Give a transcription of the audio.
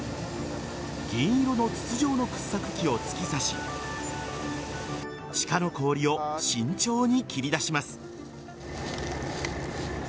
銀色の筒状の掘削機を突き刺し地下の氷を慎重に切り出します。